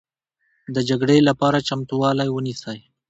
د جګړې لپاره چمتوالی ونیسئ